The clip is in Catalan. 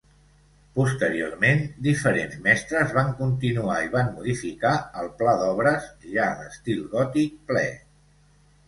Posteriorment, diferents mestres van continuar i van modificar el pla d'obres ja d'estil gòtic ple.